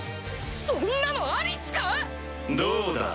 そんなのありっすか⁉どうだ？